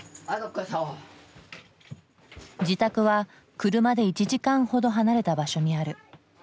自宅は車で１時間ほど離れた場所にある。